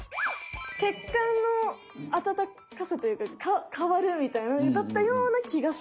血管の温かさというか変わるみたいなだったようなきがする！